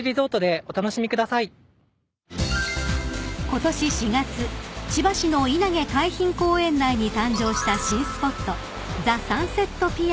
［ことし４月千葉市の稲毛海浜公園内に誕生した新スポット］